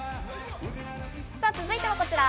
続いてはこちら。